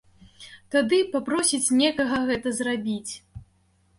Тады папросіць некага гэта зрабіць.